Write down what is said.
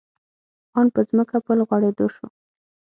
آن په ځمکه په لوغړېدو شو.